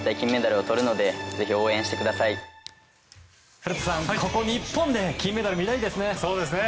古田さん、ここ日本で金メダルを見たいですね。